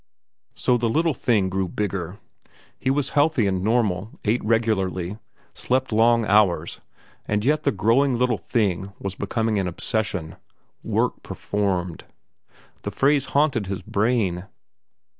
So the little thing grew bigger. He was healthy and normal, ate regularly, slept long hours, and yet the growing little thing was becoming an obsession. Work performed. The phrase haunted his brain.